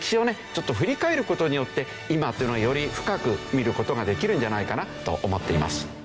ちょっと振り返る事によって今というのをより深く見る事ができるんじゃないかなと思っています。